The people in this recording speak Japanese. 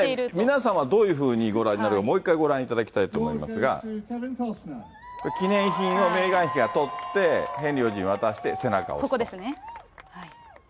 皆さんはどういうふうにご覧になるか、もう一回ご覧いただきたいと思いますが、記念品をメーガン妃が取って、ヘンリー王子に渡して背中を押すと。